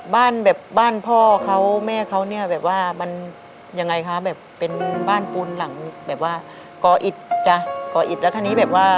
บ้านแบบบ้านพ่อเขาแม่เขาเนี่ยแบบว่ามันยังไงคะแบบเป็นบ้านปูนหลังแบบว่าก่ออิดจ้ะก่ออิดแล้วคราวนี้แบบว่า